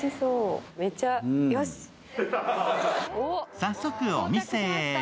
早速お店へ。